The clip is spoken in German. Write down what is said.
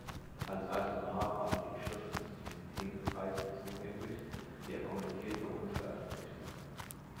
Als Archivar waren ihm Schriften zu diesen Themenkreisen zugänglich, die er kommentierte und veröffentlichte.